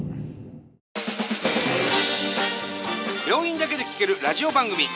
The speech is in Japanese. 病院だけで聴けるラジオ番組。